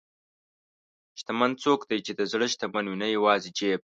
شتمن څوک دی چې د زړه شتمن وي، نه یوازې جیب.